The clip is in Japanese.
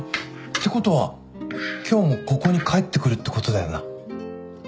てことは今日もここに帰ってくるってことだよな？